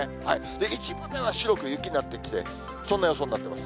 一部では白く雪になってきて、そんな予想になっています。